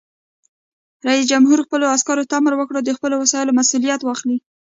رئیس جمهور خپلو عسکرو ته امر وکړ؛ د خپلو وسایلو مسؤلیت واخلئ!